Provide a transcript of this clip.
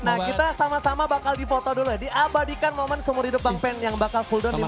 nah kita sama sama bakal dipoto dulu ya diabadikan momen seumur hidup bang pen yang bakal fulldon di sini